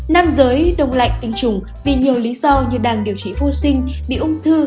nam giới đông lạnh tinh trùng vì nhiều lý do như đang điều trị vô sinh bị ung thư